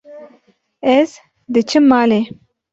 Ez diçim malê.